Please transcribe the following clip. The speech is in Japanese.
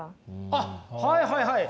あっはいはいはい！